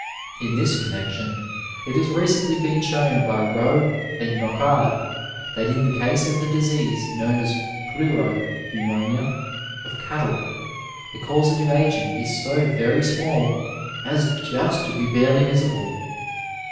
In this connexion it has recently been shown by Roux and Nocard that in the case of the disease known as pleuro pneumonia of cattle the causative agent is so very small as just to be barely visible.